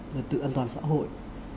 và tự an toàn xã hội